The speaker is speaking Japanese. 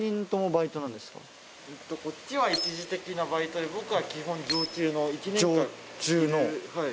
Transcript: こっちは一時的なバイトで僕は基本常駐の１年間。